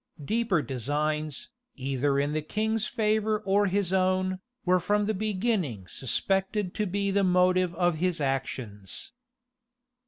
Deeper designs, either in the king's favor or his own, were from the beginning suspected to be the motive of his actions.